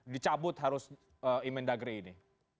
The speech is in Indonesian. dicabut harus imendagri ini